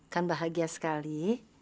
kan bahagia sekali